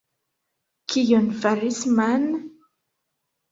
Kion faris Man?